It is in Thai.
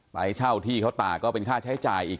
ไปเช่าที่เขาตากก็เป็นค่าใช้จ่ายอีก